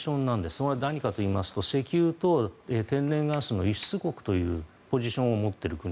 それは何かと言いますと石油と天然ガスの輸出国というポジションを持っている国。